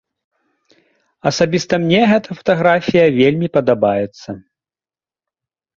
Асабіста мне гэта фатаграфія вельмі падабаецца.